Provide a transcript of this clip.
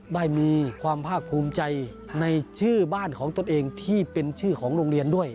ได้มีความภาคภูมิใจในชื่อบ้านของตนเองที่เป็นชื่อของโรงเรียนด้วย